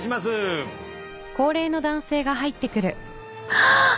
あっ！